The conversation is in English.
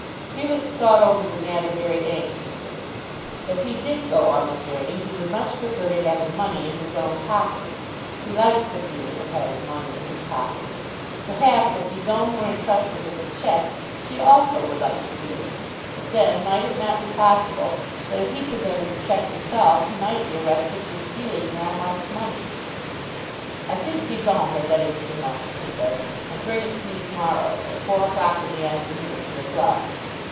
Felix thought over the matter very anxiously. If he did go on the journey he would much prefer to have the money in his own pocket. He liked the feeling of having money in his pocket. Perhaps if Didon were entrusted with the cheque she also would like the feeling. But then might it not be possible that if he presented the cheque himself he might be arrested for stealing Melmotte's money? "I think Didon had better get the money," he said, "and bring it to me to morrow, at four o'clock in the afternoon, to the club."